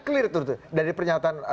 kelir itu dari pernyataan